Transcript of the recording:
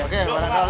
oke barangkal ya